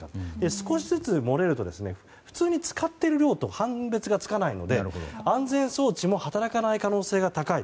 少しずつ漏れると普通に使っている量と判別がつかないので、安全装置も働かない可能性が高い。